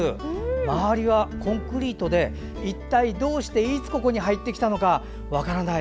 周りはコンクリートで一体、どうしていつ、ここに入ってきたのか分からない。